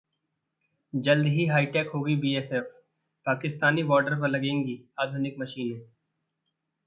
जल्द ही हाईटेक होगी बीएसएफ, पाकिस्तानी बॉर्डर पर लगेंगी आधुनिक मशीनें